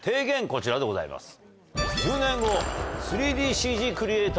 こちらでございます。